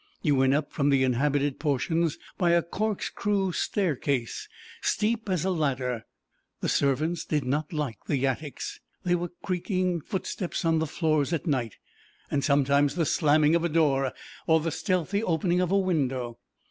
You went up from the inhabited portions by a corkscrew staircase, steep as a ladder. The servants did not like the attics. There were creaking footsteps on the floors at night, and sometimes the slamming of a door or the stealthy opening of a window.